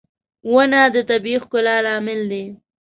• ونه د طبيعي ښکلا لامل دی.